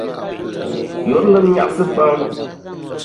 Yurilim nyaɣisa pam.